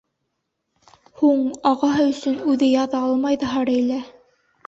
Һуң, ағаһы өсөн үҙе яҙа алмай ҙаһа Рәйлә.